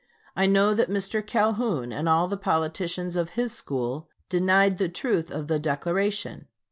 I know that Mr. Calhoun and all the politicians of his school denied the truth of the Declaration.